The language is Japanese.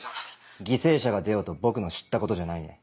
犠牲者が出ようと僕の知ったことじゃないね。